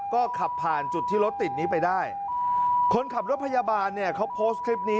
ก็ขับผ่านจุดที่รถติดนี้ไปได้คนขับรถพยาบาลเนี่ยเขาโพสต์คลิปนี้